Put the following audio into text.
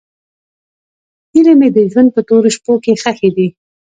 هیلې مې د ژوند په تورو شپو کې ښخې دي.